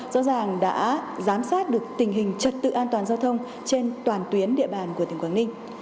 rõ ràng đã giám sát được tình hình trật tự an toàn giao thông trên toàn tuyến địa bàn của tỉnh quảng ninh